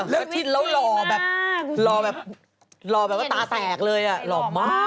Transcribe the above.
แล้วกินแล้วหล่อแบบหล่อแบบหล่อแบบว่าตาแตกเลยอ่ะหล่อมาก